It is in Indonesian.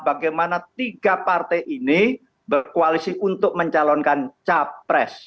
bagaimana tiga partai ini berkoalisi untuk mencalonkan capres